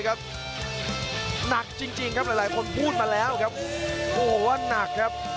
โอ้โห